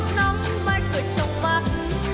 nắm mái cười trong mặt